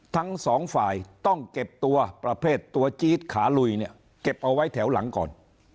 ทั้งสองฝ่ายต้องเก็บตัวประเภทตัวจี๊ดขาลุยเนี่ยเก็บเอาไว้แถวหลังก่อน